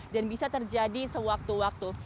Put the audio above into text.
dan bisa terjadi sewaktu waktu